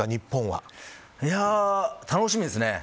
楽しみですね。